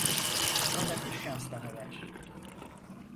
Bana bir şans daha ver.